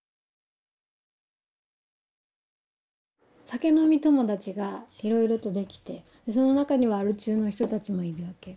酒飲み友達がいろいろとできてその中にはアル中の人たちもいるわけ。